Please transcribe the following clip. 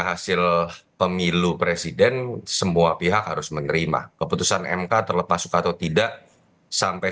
hasil pemilu presiden semua pihak harus menerima keputusan mk terlepas suka atau tidak sampai